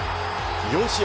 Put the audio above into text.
４試合